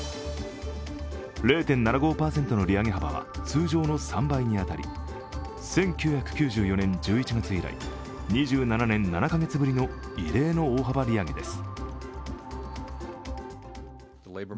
０．７５％の利上げ幅は通常の３倍に当たり１９９４年１１月以来、２７年７カ月ぶりの異例の大幅利上げです。